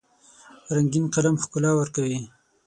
رنګین قلم ښکلا ورکوي.